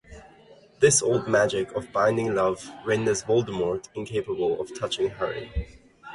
This old magic of binding love renders Voldemort incapable of touching Harry.